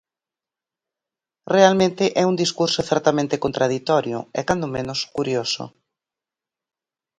Realmente é un discurso certamente contraditorio e, cando menos, curioso.